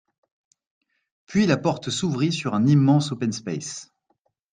puis la porte s’ouvrit sur un immense open space